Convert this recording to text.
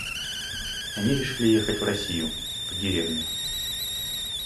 Они решили ехать в Россию, в деревню.